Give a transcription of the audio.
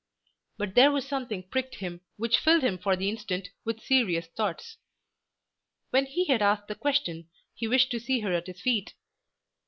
But there was something pricked him which filled him for the instant with serious thoughts. When he had asked the question he wished to see her at his feet.